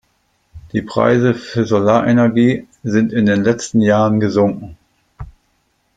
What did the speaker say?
Die Preise für Solarenergie sind in den letzten Jahren gesunken.